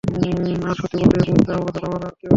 আর সত্যি বলতে এ মুহূর্তে আমরা ছাড়া ওর আর কেউ নেই।